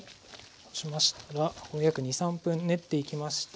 そうしましたらもう約２３分練っていきまして。